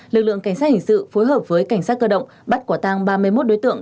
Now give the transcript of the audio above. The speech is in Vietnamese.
lực lượng cảnh sát hình sự phối hợp với cảnh sát cơ động bắt quả tang ba mươi một đối tượng